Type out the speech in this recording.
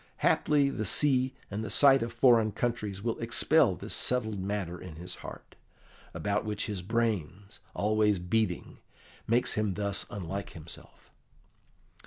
Haply the sea and the sight of foreign countries will expel this settled matter in his heart, about which his brains, always beating, makes him thus unlike himself."